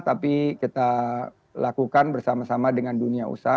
tapi kita lakukan bersama sama dengan dunia usaha